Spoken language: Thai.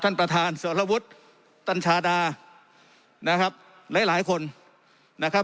ท่านประธานสรวุฒิตัญชาดานะครับหลายหลายคนนะครับ